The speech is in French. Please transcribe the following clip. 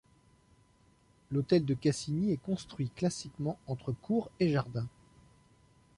L'hôtel de Cassini est construit classiquement entre cour et jardin.